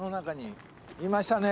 いましたね。